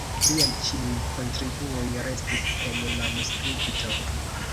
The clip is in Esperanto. Liaj ĉiuj kontribuoj restis en manuskripto.